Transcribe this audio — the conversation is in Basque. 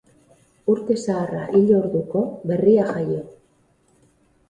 Urte zaharra hil orduko, berria jaio.